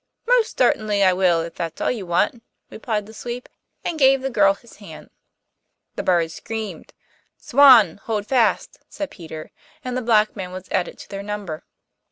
'Most certainly I will, if that's all you want,' replied the sweep, and gave the girl his hand. The bird screamed. 'Swan, hold fast,' said Peter, and the black man was added to their number.